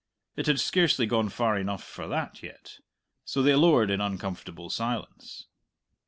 It had scarcely gone far enough for that yet, so they lowered in uncomfortable silence.